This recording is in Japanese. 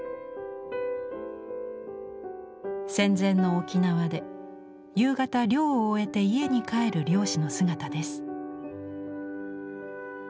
戦前の沖縄で夕方漁を終えて家に帰る漁師の姿です。